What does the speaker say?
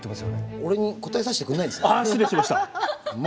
俺に答えさせてくれないんですか？